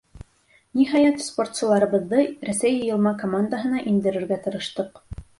Ниһайәт, спортсыларыбыҙҙы Рәсәй йыйылма командаһына индерергә тырыштыҡ.